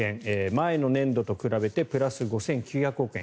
前の年度と比べてプラス５９００億円。